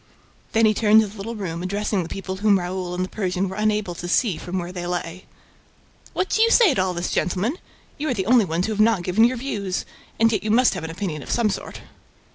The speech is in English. Then he turned to the little room, addressing the people whom Raoul and the Persian were unable to see from where they lay. "What do you say to all this, gentlemen? You are the only ones who have not given your views. And yet you must have an opinion of some sort."